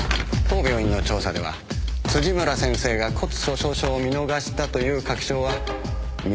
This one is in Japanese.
当病院の調査では辻村先生が骨粗しょう症を見逃したという確証は見つかりませんでした。